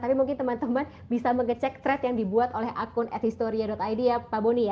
tapi mungkin teman teman bisa mengecek trade yang dibuat oleh akun athistoria id ya pak boni ya